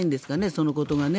そのことがね。